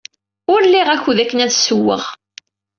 Ur liɣ akud akken ad ssewweɣ.